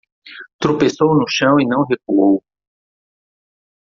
Tropeçou no chão e não recuou